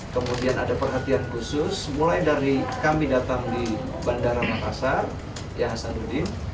kemudian ada perhatian khusus mulai dari kami datang di bandara makassar ya hasanuddin